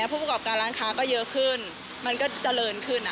ผู้ประกอบการร้านค้าก็เยอะขึ้นมันก็เจริญขึ้น